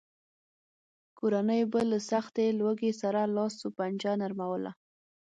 کورنیو به له سختې لوږې سره لاس و پنجه نرموله.